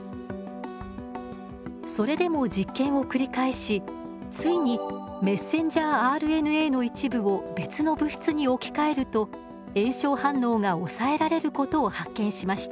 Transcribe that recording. それでも実験を繰り返しついにｍＲＮＡの一部を別の物質に置き換えると炎症反応が抑えられることを発見しました。